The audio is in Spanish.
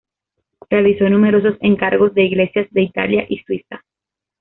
Realizó numerosos encargos de iglesias de Italia y Suiza.